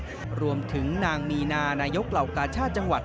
รัจการจังหวัดรวมถึงนางมีนาห์นยกเหล่ากาชาชาจังหวัด